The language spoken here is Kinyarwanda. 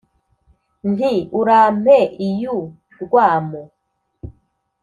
nti urampe iyu rwamo